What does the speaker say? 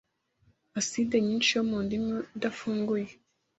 aside nyinshi yo mu ndimu idafunguye